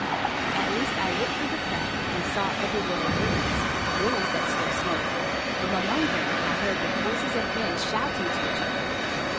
At least I looked through a crack and saw everywhere ruins—ruins that still smoke. From among them I heard the voices of men shouting to each other.